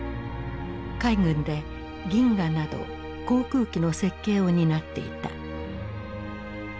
海軍で銀河など航空機の設計を担っていた。